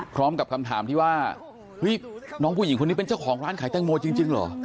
พร้อมกับคำถามที่ว่าเฮ้ยน้องผู้หญิงคนนี้เป็นเจ้าของร้านขายแตงโมจริงเหรอ